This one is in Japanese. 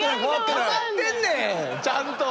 変わってんねんちゃんと。